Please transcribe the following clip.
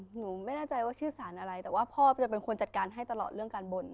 หนูไม่แน่ใจว่าชื่อสารอะไรแต่ว่าพ่อจะเป็นคนจัดการให้ตลอดเรื่องการบ่น